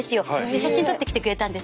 写真撮ってきてくれたんですけども。